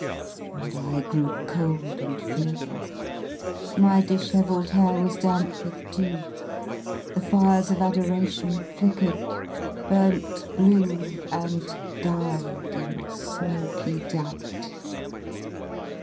And I Grew cold and fearful, my dishevelled hair Was damp with dew, the fires of adoration Flickered, burnt blue, and died in smoky doubt.